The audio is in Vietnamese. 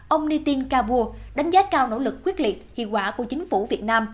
ông nitin cabua đánh giá cao nỗ lực quyết liệt hiệu quả của chính phủ việt nam